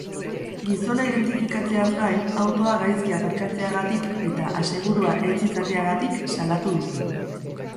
Gizona identifikatzeaz gain, autoa gaizki aparkatzeagatik eta asegurua ez izateagatik salatu dute.